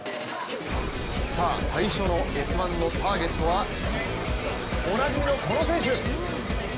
最初の「Ｓ☆１」ターゲットはおなじみのこの選手。